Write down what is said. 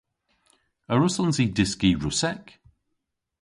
A wrussons i dyski Russek?